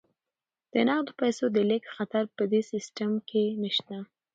د نغدو پيسو د لیږد خطر په دې سیستم کې نشته.